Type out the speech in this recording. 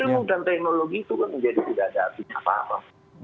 ilmu dan teknologi itu kan menjadi tidak ada artinya apa apa